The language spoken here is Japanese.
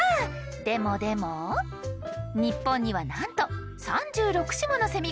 でもでも日本にはなんと３６種ものセミがいるんですよ！